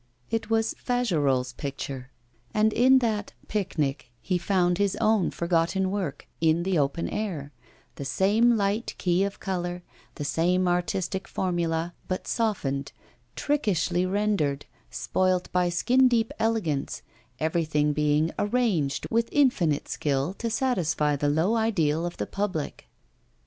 It was Fagerolles' picture. And in that 'Picnic' he found his own forgotten work, 'In the Open Air,' the same light key of colour, the same artistic formula, but softened, trickishly rendered, spoilt by skin deep elegance, everything being 'arranged' with infinite skill to satisfy the low ideal of the public.